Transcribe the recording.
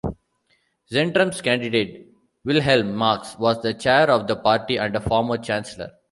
Zentrum's candidate, Wilhelm Marx, was the chair of the party and a former chancellor.